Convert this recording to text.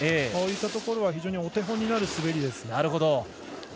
こういったところは非常にお手本になる滑りです。